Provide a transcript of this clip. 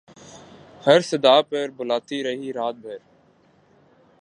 ہر صدا پر بلاتی رہی رات بھر